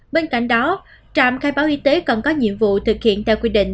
bên cạnh đó trạm khai báo y tế còn có nhiệm vụ thực hiện theo quy định